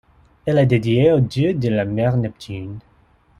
Elle est dédiée au dieu de la mer Neptune.